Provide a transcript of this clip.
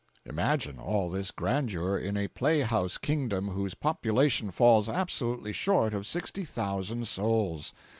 488.jpg (94K) Imagine all this grandeur in a play house "kingdom" whose population falls absolutely short of sixty thousand souls!